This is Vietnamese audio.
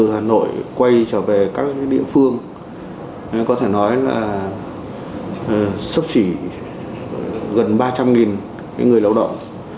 hà nội quay trở về các địa phương có thể nói là sấp xỉ gần ba trăm linh người lao động